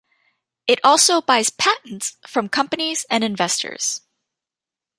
It also buys patents from companies and inventors.